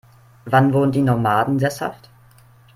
Wann wurden die Nomaden sesshaft?